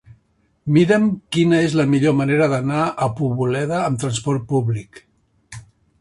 Mira'm quina és la millor manera d'anar a Poboleda amb trasport públic.